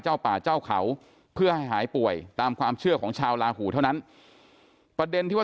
ป่าเจ้าเขาเพื่อให้หายป่วยตามความเชื่อของชาวลาหูเท่านั้นประเด็นที่ว่า